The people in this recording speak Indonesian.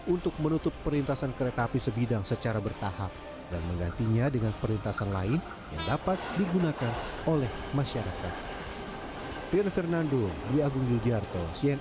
untuk menutup perlintasan kereta api sebidang secara bertahap dan menggantinya dengan perlintasan lain yang dapat digunakan oleh masyarakat